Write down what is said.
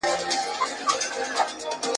زده کوونکي د رخصتۍ په ورځو کي تمرین کوي.